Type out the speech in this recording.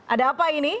ada apa ini